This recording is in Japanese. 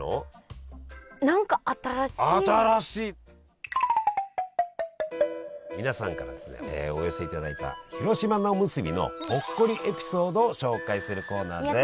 何か皆さんからですねお寄せいただいた広島菜おむすびのほっこりエピソードを紹介するコーナーです。